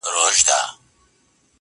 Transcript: په دې خپل حلال معاش مي صبر کړی-